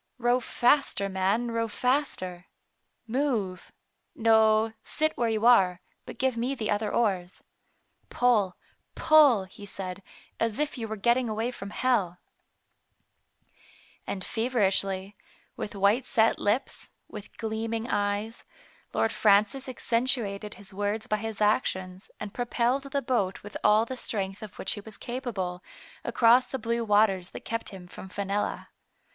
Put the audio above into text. " Row faster, man, row faster. Move — no, sit where you are, but give me the other oars. Pull, pull,*' he said, " as if you were getting away from hell." And feverishly, with white set lips, with gleaming eyes. Lord Francis accentuated his words by his actions, and propelled the boat with all the strength of which he was capable, across the blue waters that kept him from Fenella.